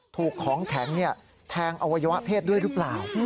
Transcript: ถูกของแข็งแทงอวัยวะเพศด้วยหรือเปล่า